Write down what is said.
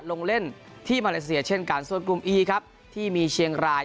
ลงเล่นที่มาเลเซียเช่นกันส่วนกลุ่มอีครับที่มีเชียงราย